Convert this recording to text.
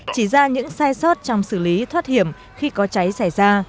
chỉ ra những sai sót trong xử lý thoát hiểm khi có cháy xảy ra